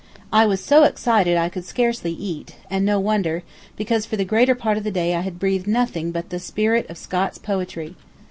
I was so excited I could scarcely eat, and no wonder, because for the greater part of the day I had breathed nothing but the spirit of Scott's poetry.